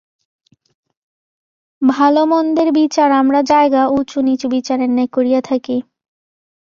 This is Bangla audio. ভাল-মন্দের বিচার আমরা জায়গা উঁচু-নীচু-বিচারের ন্যায় করিয়া থাকি।